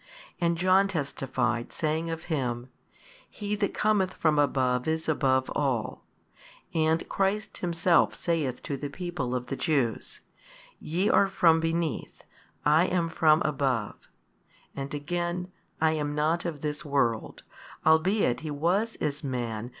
And John testified, saying of Him, He that cometh from above is above all, and Christ Himself saith to the people of the Jews, Ye are from beneath, I am from above, and again, I am not of this world, albeit He was as Man